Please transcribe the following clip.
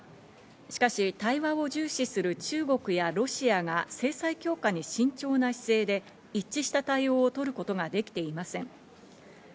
しかし対話を重視する中国やロシアが、制裁強化に慎重な姿勢で一致した対応を取ることができていません。